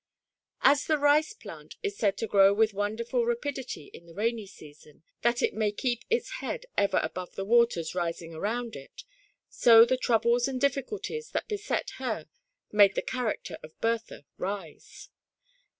As the rice plant is said to grow with wonderful rapidity in the rainy season, that it may keep its head ever above the waters rising around it, so the troubles and difficulties that beset her made the character of Bertha rise.